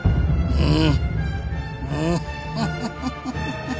うん。